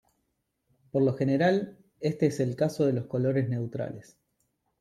Por lo general, este es el caso de los colores neutrales.